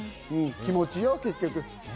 気持ちよ、結局。